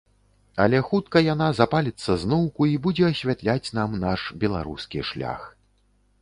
Але хутка яна запаліцца зноўку і будзе асвятляць нам наш беларускі шлях.